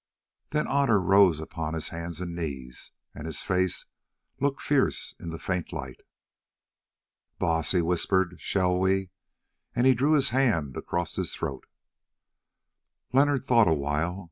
Then Otter rose upon his hands and knees, and his face looked fierce in the faint light. "Baas," he whispered, "shall we——" and he drew his hand across his throat. Leonard thought awhile.